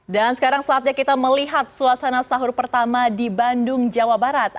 dan sekarang saatnya kita melihat suasana sahur pertama di bandung jawa barat